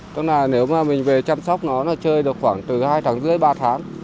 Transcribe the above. tức là nếu mà mình về chăm sóc nó là chơi được khoảng từ hai tháng rưỡi ba tháng